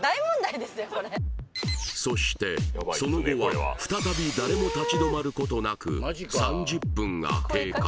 そしてその後は再び誰も立ち止まることなく３０分が経過